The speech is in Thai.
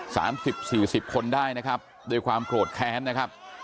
สามสิบสี่สิบคนได้นะครับด้วยความโกรธแค้นนะครับ